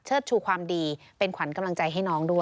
ชูความดีเป็นขวัญกำลังใจให้น้องด้วย